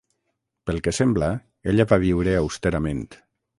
Pel que sembla ella va viure austerament.